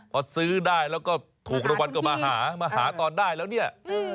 พอซื้อได้แล้วก็ถูกรางวัลก็มาหามาหาตอนได้แล้วเนี่ย